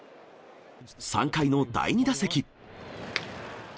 ３回の第２打席。